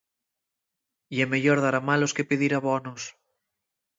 Ye meyor dar a malos que pidir a bonos.